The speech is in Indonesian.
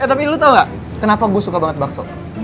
eh tapi lo tau gak kenapa gue suka banget bakso